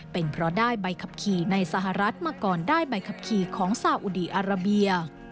เป็นเพราะได้ใบขับขี่ในสหรัฐมาก่อนได้ใบขับขี่ของซาอุดีอาราเบีย